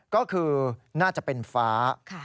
ก็คือน่าจะเป็นฟ้า